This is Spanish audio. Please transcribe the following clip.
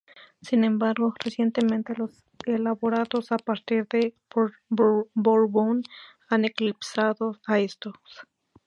Sin embargo, recientemente los elaborados a partir de "bourbon" han eclipsado a estos.